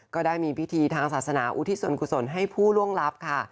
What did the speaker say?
ก็ได้มีพิธีทางศาสนาอุทิศส่วนกุศลให้ผู้ล่วงลับค่ะ